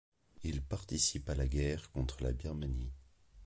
Il participe à la guerre contre la Birmanie.